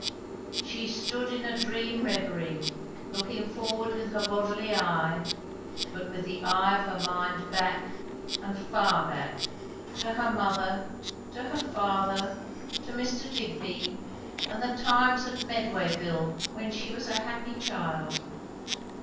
She stood in a dream reverie, looking forward with her bodily eye, but with the eye of her mind back, and far back; to her mother, to her father, to Mr. Digby, and the times at Medwayville when she was a happy child.